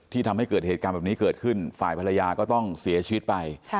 ทำให้เกิดเหตุการณ์แบบนี้เกิดขึ้นฝ่ายภรรยาก็ต้องเสียชีวิตไป